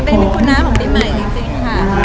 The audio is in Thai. เป็นคุณน้าของปีใหม่จริงค่ะ